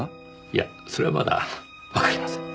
いやそれはまだわかりません。